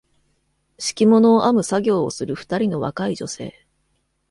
敷物を編む作業をする二人の若い女性。